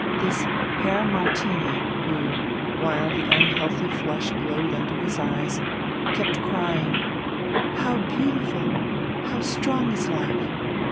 This Herr Martini, who, while the unhealthy flush glowed under his eyes, kept crying: "How beautiful, how strong is life!"